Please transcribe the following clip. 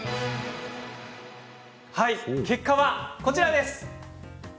結果はこちらです。